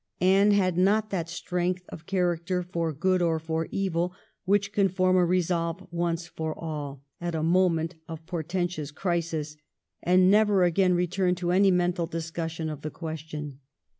Anne had not that strength of character for good or for evil which can form a resolve once for all, at a moment of portentous crisis, and never again return to any mental discussion of the question.